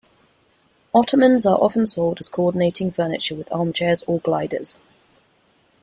Ottomans are often sold as coordinating furniture with armchairs or gliders.